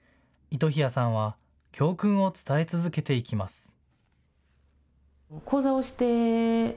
糸日谷さんは教訓を伝え続けていきます。